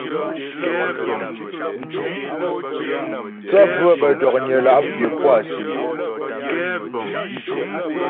Thə́ bhə̌ bə́ dɔ̀knyə la' pyə̌ pú á sìm.